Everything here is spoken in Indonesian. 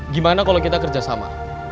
gimana kalau kita kerjasama